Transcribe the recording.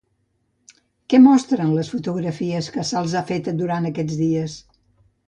Què mostren les fotografies que se'ls ha fet durant aquests dies?